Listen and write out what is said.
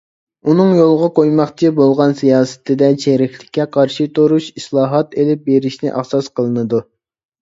ئۇنىڭ يولغا قويماقچى بولغان سىياسىتىدە چېرىكلىككە قارشى تۇرۇش، ئىسلاھات ئىلىپ بېرىشنى ئاساس قىلىنىدۇ.